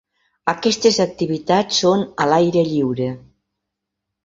Aquestes activitats són a l'aire lliure.